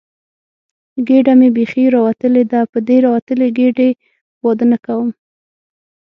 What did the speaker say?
ګېډه مې بیخي راوتلې ده، په دې راوتلې ګېډې واده نه کوم.